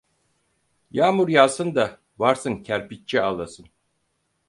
Yağmur yağsın da varsın kerpiççi ağlasın.